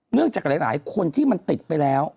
จากหลายคนที่มันติดไปแล้ว